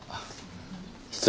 失礼。